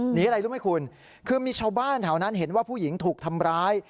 หนีอะไรรู้ไหมคุณคือมีชาวบ้านแถวนั้นเห็นว่าผู้หญิงถูกทำร้าย